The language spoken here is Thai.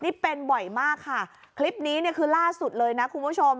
นี่เป็นบ่อยมากค่ะคลิปนี้เนี่ยคือล่าสุดเลยนะคุณผู้ชม